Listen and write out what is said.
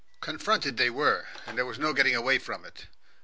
Confronted they were, and there was no getting away from it.